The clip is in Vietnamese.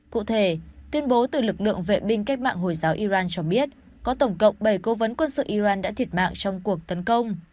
cụ thể tuyên bố từ lực lượng vệ binh cách mạng hồi giáo iran cho biết có tổng cộng bảy cố vấn quân sự iran đã thiệt mạng trong cuộc tấn công